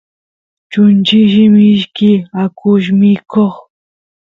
chunchilli mishki akush mikoq